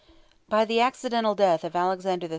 By the accidental death of Alexander III.